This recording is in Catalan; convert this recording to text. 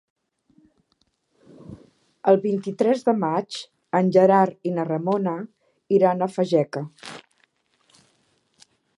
El vint-i-tres de maig en Gerard i na Ramona iran a Fageca.